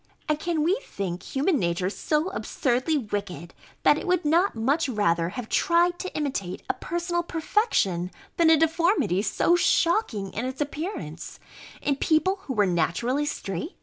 And can we think human nature so absurdly wicked, that it would not much rather have tried to imitate a personal perfection, than a deformity so shocking in its appearance, in people who were naturally straight?